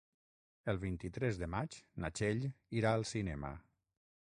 El vint-i-tres de maig na Txell irà al cinema.